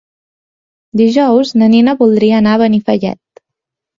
Dijous na Nina voldria anar a Benifallet.